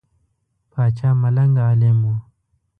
پاچا ملنګ عالم وو.